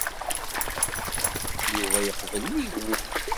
Yuba yeqbel nnig wul.